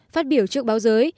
phát biểu trước báo giới